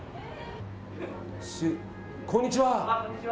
こんにちは。